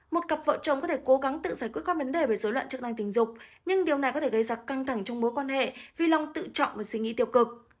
một cặp vợ chồng có thể cố gắng tự giải quyết các vấn đề về dối loạn chức năng tình dục nhưng điều này có thể gây ra căng thẳng trong mối quan hệ vì long tự trọng và suy nghĩ tiêu cực